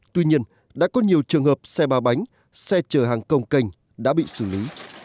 tuy nhiên đã có nhiều trường hợp xe ba bốn bánh xe chở hàng hóa cổng cành đã bị xử lý